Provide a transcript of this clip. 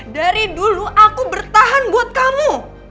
dari dulu aku bertahan buat kamu